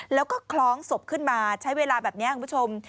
แล้วก็คล้องศพขึ้นมาใช้เวลาแบบนี้คุณผู้ชม